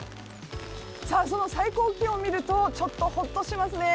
その最高気温を見るとちょっとほっとしますね。